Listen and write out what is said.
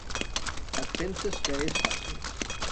Et penses que és fàcil.